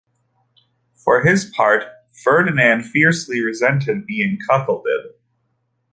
For his part, Ferdinand fiercely resented being cuckolded.